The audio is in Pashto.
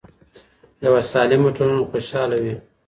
يوه سالمه ټولنه خوشحاله وي.